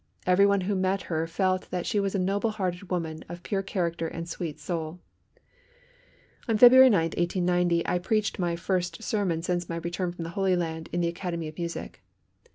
Everyone who met her felt that she was a noble hearted woman of pure character and sweet soul. On February 9, 1890, I preached my first sermon since my return from the Holy Land in the Academy of Music.